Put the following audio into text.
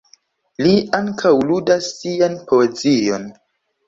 Li ankaŭ ludas sian poezion.